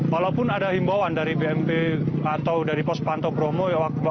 walaupun ada himbauan dari bmp atau dari pos pantau bromo